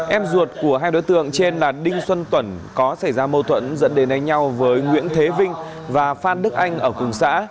em ruột của hai đối tượng trên là đinh xuân tùng có xảy ra mâu thuẫn dẫn đến đánh nhau với nguyễn thế vinh và phan đức anh ở cùng xã